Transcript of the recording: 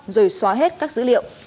rồi xóa hết các dữ liệu